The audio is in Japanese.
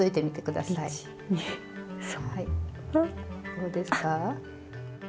どうですか？